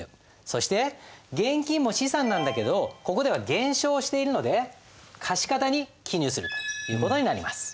そして現金も資産なんだけどここでは減少しているので貸方に記入するという事になります。